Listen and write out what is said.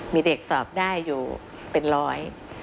มีเด็กสอบได้อยู่เป็นร้อย